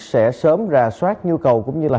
sẽ sớm ra soát nhu cầu cũng như là